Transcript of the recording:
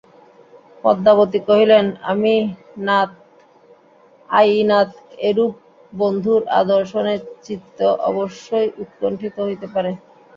পদ্মাবতী কহিলেন, অয়ি নাথ এরূপ বন্ধুর অদর্শনে চিত্ত অবশ্যই উৎকণ্ঠিত হইতে পারে।